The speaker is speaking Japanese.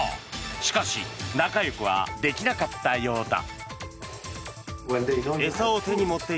しかし仲よくはできなかったようだ。